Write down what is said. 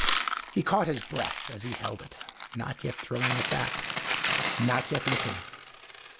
He caught his breath as he held it, not yet throwing it back, and not yet looking.